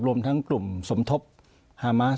รวมทั้งกลุ่มสมทบฮามาส